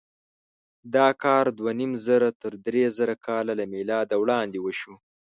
دا کار دوهنیمزره تر درېزره کاله له مېلاده وړاندې وشو.